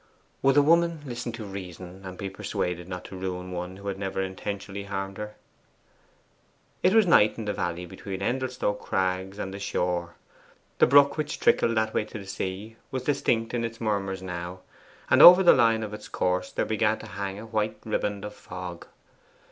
Would the woman listen to reason, and be persuaded not to ruin one who had never intentionally harmed her? It was night in the valley between Endelstow Crags and the shore. The brook which trickled that way to the sea was distinct in its murmurs now, and over the line of its course there began to hang a white riband of fog.